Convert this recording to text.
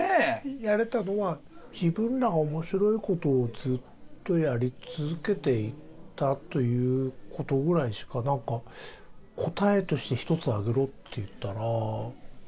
やれたのは自分らが面白い事をずっとやり続けていたという事ぐらいしかなんか答えとして１つ挙げろっていったら。